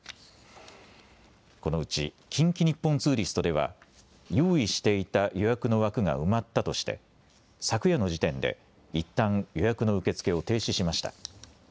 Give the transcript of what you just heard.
このうち近畿日本ツーリストでは用意していた予約の枠が埋まったとして昨夜の時点でいったん予約の受け付けを停止しました。